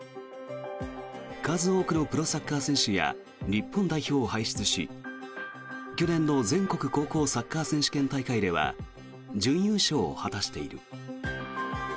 数多くのプロサッカー選手や日本代表を輩出し去年の全国高校サッカー選手権大会では準優勝を果たしている。